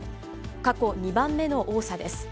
過去２番目の多さです。